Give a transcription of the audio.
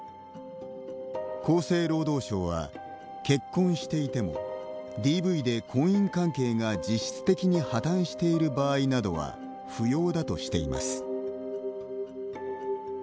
厚生労働省は、結婚していてもＤＶで婚姻関係が実質的に破綻している場合などは不要だとしています。